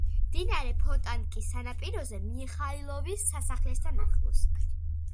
მდინარე ფონტანკის სანაპიროზე, მიხაილოვის სასახლესთან ახლოს.